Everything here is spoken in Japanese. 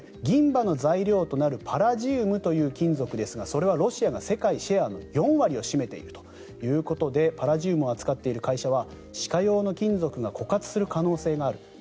銀歯の材料となるパラジウムという金属ですがそれはロシアが世界シェアの４割を占めているということでパラジウムを扱っている会社は歯科用の金属が枯渇する可能性がある。